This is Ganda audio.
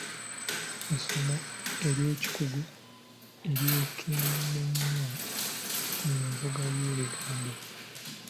Essomo ery'ekikugu eryekenneenya envuga y'ebigambo.